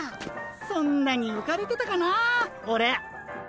そんなにうかれてたかなあオレ。